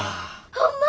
ホンマ？